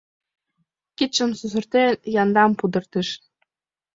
Кидшым сусыртен, яндам пудыртыш.